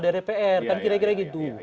dari dpr kan kira kira gitu